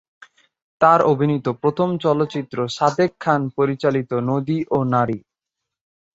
তার অভিনীত প্রথম চলচ্চিত্র সাদেক খান পরিচালিত ‘নদী ও নারী’।